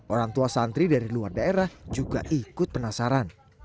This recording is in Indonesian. orang tua santri dari luar daerah juga ikut penasaran